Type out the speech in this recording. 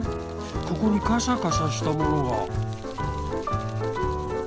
ここにカシャカシャしたものが。